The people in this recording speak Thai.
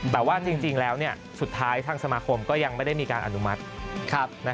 แต่ว่าจริงแล้วสุดท้ายทางสมาคมก็ยังไม่ได้มีการอนุมัติ